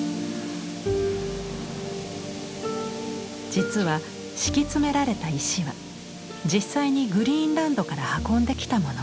実は敷き詰められた石は実際にグリーンランドから運んできたもの。